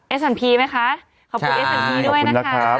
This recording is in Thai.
สันพีไหมคะขอบคุณเอสสันพีด้วยนะคะ